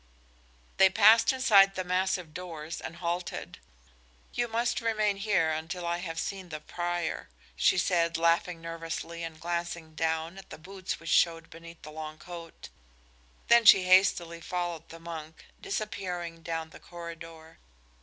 They passed inside the massive doors and halted. "You must remain here until I have seen the prior," she said, laughing nervously and glancing down at the boots which showed beneath the long coat. Then she hastily followed the monk, disappearing down the corridor.